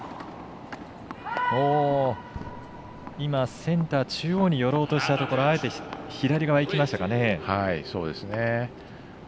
センター中央に寄ろうとしたところをあえて、左側に行きましたかね。